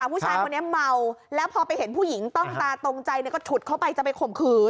ผู้ชายคนนี้เมาแล้วพอไปเห็นผู้หญิงต้องตาตรงใจก็ฉุดเข้าไปจะไปข่มขืน